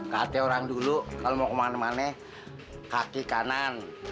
kaki orang dulu kalau mau kemana mana kaki kanan